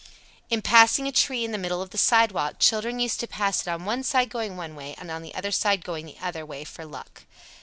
_ 80. In passing a tree in the middle of the sidewalk, children used to pass it on one side going one way and on the other side going the other way for luck.